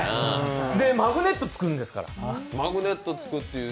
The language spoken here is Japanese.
マグネットつくんですから。